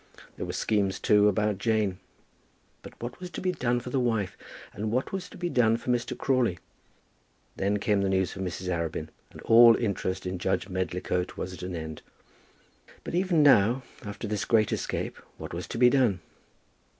There were schemes, too, about Jane. But what was to be done for the wife? And what was to be done for Mr. Crawley? Then came the news from Mrs. Arabin, and all interest in Judge Medlicote was at an end. But even now, after this great escape, what was to be done?